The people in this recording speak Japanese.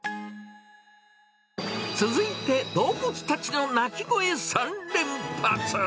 続いて、動物たちの鳴き声３連発！